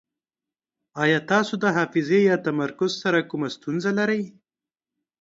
ایا تاسو د حافظې یا تمرکز سره کومه ستونزه لرئ؟